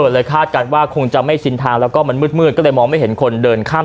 คาดการณ์ว่าคงจะไม่ชินทางแล้วก็มันมืดก็เลยมองไม่เห็นคนเดินข้าม